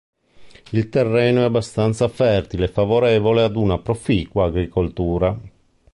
Il terreno è abbastanza fertile e favorevole ad una proficua agricoltura.